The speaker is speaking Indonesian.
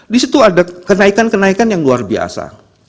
disitu ada kenaikan kenaikan yang luar biasa